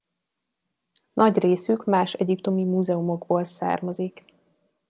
Nagy részük más egyiptomi múzeumokból származik.